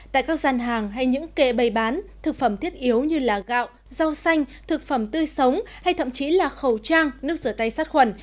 tại các gian hàng hay những kệ bày bán thực phẩm thiết yếu như gạo rau xanh thực phẩm tươi sống hay thậm chí là khẩu trang nước rửa tay sát khuẩn